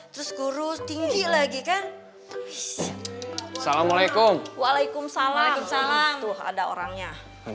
terus guru tinggi lagi kan assalamualaikum waalaikumsalam tuh ada orangnya